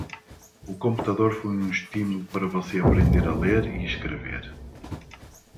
O computador foi um estímulo para você aprender a ler e escrever.